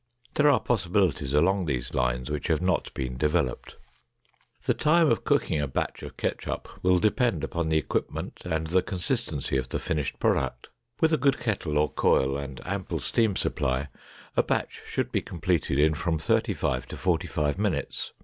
There are possibilities along these lines which have not been developed. The time of cooking a batch of ketchup will depend upon the equipment and the consistency of the finished product. With a good kettle or coil and ample steam supply a batch should be completed in from thirty five to forty five minutes.